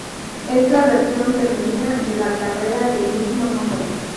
Es la versión femenina de la carrera del mismo nombre.